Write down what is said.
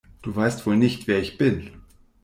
Du weißt wohl nicht, wer ich bin!